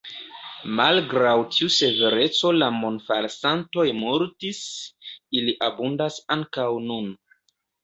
Malgraŭ tiu severeco la monfalsantoj multis; ili abundas ankaŭ nun.